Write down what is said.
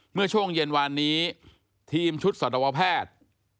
เมื่อช่วงเย็นวานนี้ทีมชุดสัตวแพทย์